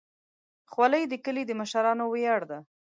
خولۍ د کلي د مشرانو ویاړ ده.